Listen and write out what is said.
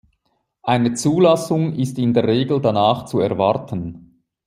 Eine Zulassung ist in der Regel danach zu erwarten.